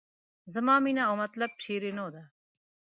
زما مینه او مطلب شیرینو ده.